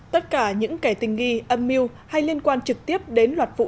tất cả những kẻ tình nghi âm mưu hay liên quan trực tiếp đến loạt vụ